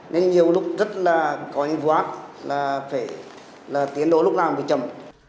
nên nhiều lúc rất là có những vụ án là phải tiến đổi lúc nào cũng bị chậm